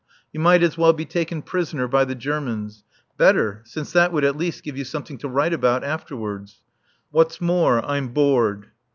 You might as well be taken prisoner by the Germans better, since that would, at least, give you something to write about afterwards. What's more, I'm bored.